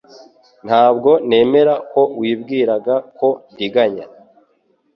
Ntabwo nemera ko wibwiraga ko ndiganya